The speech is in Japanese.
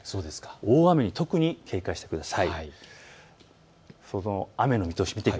大雨に特に警戒をしてください。